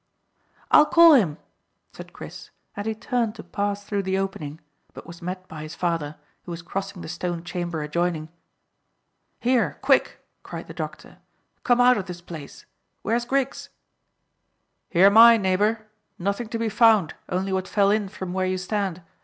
"I'll call him," said Chris, and he turned to pass through the opening, but was met by his father, who was crossing the stone chamber adjoining. "Here, quick," cried the doctor; "come out of this place! Where's Griggs?" "Here am I, neighbour. Nothing to be found, only what fell in from where you stand.